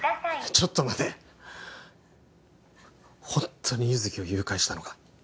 ちょっと待てホントに優月を誘拐したのか？